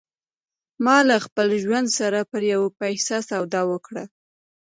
ما له خپل ژوند سره پر یوه پیسه سودا وکړه